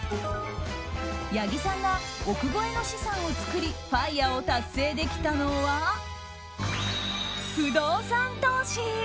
八木さんが億超えの資産を作りＦＩＲＥを達成できたのは不動産投資！